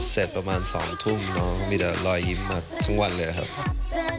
เสร็จประมาณ๒ทุ่มน้องมีแต่รอยยิ้มมาทั้งวันเลยครับ